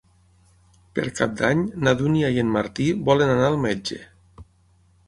Per Cap d'Any na Dúnia i en Martí volen anar al metge.